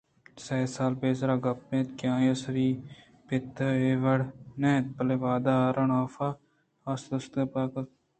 "سئے سال پیسر ے گپ اِنت کہ آئی ءَ ساری پت اے وڑا نہ اَت بلئے وہدکہ ہارن ہاف ""heran hof""ءِ آس ءِ توسگ ءِ وہداں آئی یک زنڈیں مردکے کہ نامے گالٹر اَت پہ بڈّ زُرت ءُچہ کوٹی ءَ ڈنّ کشّ اِت"